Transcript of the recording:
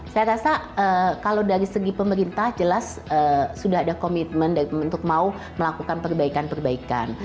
saya rasa kalau dari segi pemerintah jelas sudah ada komitmen untuk mau melakukan perbaikan perbaikan